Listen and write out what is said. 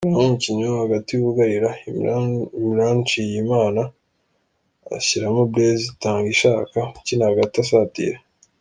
Akuramo umukinnyi wo hagati wugarira Imran Nshiyimana ashyiramo Blaise Itangishaka ukina hagati asatira.